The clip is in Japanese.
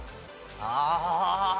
ああ！